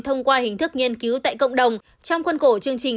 thông qua hình thức nghiên cứu tại cộng đồng trong quân cổ chương trình